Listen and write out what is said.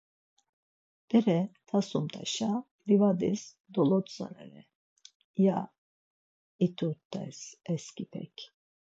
Bere tasumt̆aşa livadis dolotzerare, ya it̆ut̆es esǩipek.